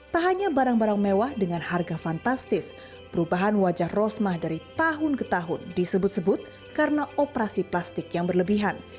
tak hanya barang barang mewah dengan harga fantastis perubahan wajah rosmah dari tahun ke tahun disebut sebut karena operasi plastik yang berlebihan